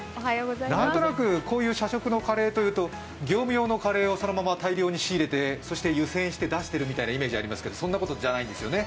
なんとなく、こういう社食のカレーというと、業務用のカレーを大量に仕入れて湯せんして出しているみたいなイメージがありますけどそんなことじゃないんですよね？